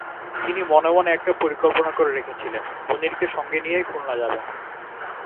তিনি মনে-মনে একটা পরিকল্পনা করে রেখেছিলেন, মুনিরকে সঙ্গে নিয়েই খুলনা যাবেন।